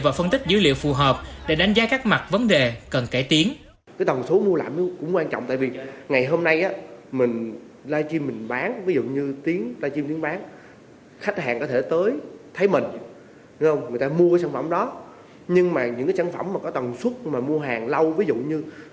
và phân tích dữ liệu phù hợp để đánh giá các mặt vấn đề cần cải tiến